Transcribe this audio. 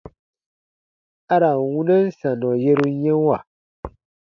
A ra n wunɛn sannɔ yeru yɛ̃wa.